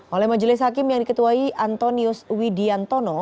oleh majelis hakim yang diketuai antonius widiantono